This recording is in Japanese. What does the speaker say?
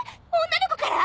女の子から？